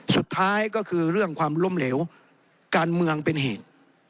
สุดท้ายก็คือเรื่องความล้มเหลวการเมืองเป็นเหตุ